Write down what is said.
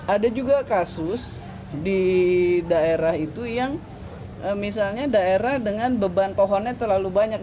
ada juga kasus di daerah itu yang misalnya daerah dengan beban pohonnya terlalu banyak